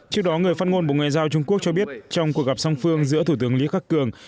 trước đó người phát ngôn bộ ngoại giao trung quốc cho biết trong cuộc gặp song phương giữa thủ tướng lý khắc cường